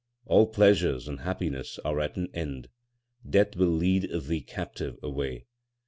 All pleasures and happiness are at an end ; Death will lead thee captive away.